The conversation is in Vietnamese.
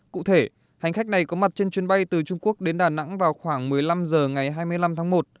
cụ thể hành khách này có mặt trên chuyến bay từ trung quốc đến đà nẵng vào khoảng một mươi năm h ngày hai mươi năm tháng một